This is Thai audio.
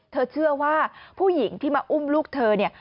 เธอเชื่อว่าผู้หญิงที่มาอุ้มลูกเธอเนี่ย